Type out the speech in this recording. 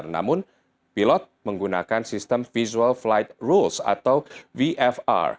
namun pilot menggunakan sistem visual flight rules atau vfr